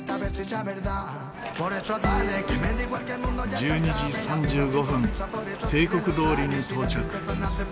１２時３５分定刻どおりに到着。